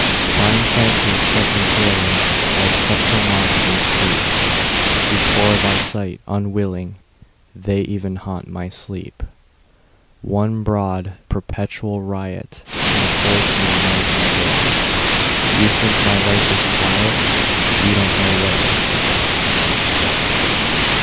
Fine fancies set me thrilling, And subtle monsters creepBefore my sight unwilling:They even haunt my sleep. One broad, perpetual riotEnfolds me night and day. You think my life is quiet? You don't know what you say.